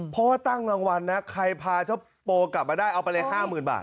เพราะว่าตั้งรางวัลนะใครพาเจ้าโปกลับมาได้เอาไปเลย๕๐๐๐บาท